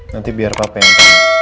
nanti biar papa yang